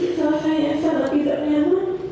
yang selesai yang sangat tidak nyaman